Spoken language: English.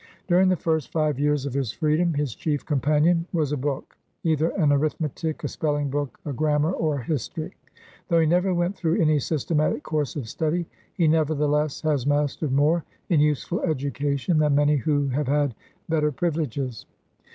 During the first five years of his freedom, his chief companion was a book, — either an arithmetic, a spelling book, a grammar, or a history. Though he never went through any systematic course of study, he nevertheless has mastered more, in useful education, than many who have had better privileges.